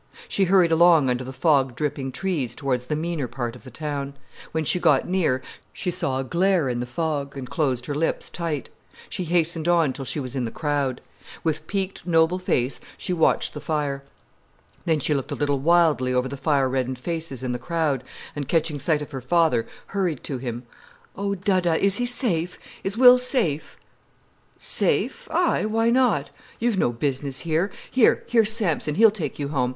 She hurried along under the fog dripping trees towards the meaner part of the town. When she got near, she saw a glare in the fog, and closed her lips tight. She hastened on till she was in the crowd. With peaked, noble face she watched the fire. Then she looked a little wildly over the fire reddened faces in the crowd, and catching sight of her father, hurried to him. "Oh, Dadda—is he safe? Is Will safe——?" "Safe, aye, why not? You've no business here. Here, here's Sampson, he'll take you home.